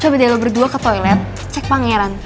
coba deh lo berdua ke toilet cek pangeran